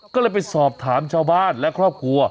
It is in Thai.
ก็เลยไปสอบถามชาวบ้านและครอบครัว